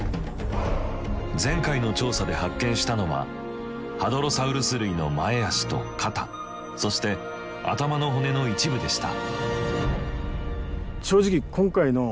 前回の調査で発見したのはハドロサウルス類の前脚と肩そして頭の骨の一部でした。